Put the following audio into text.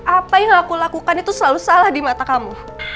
apa yang aku lakukan itu selalu salah di mata kamu